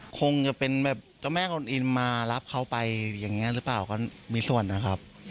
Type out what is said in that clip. คงจะเป็นแบบเจ้าแม่กลอินมารับเขาไปอย่างนี้หรือเปล่าก็มีส่วนนะครับ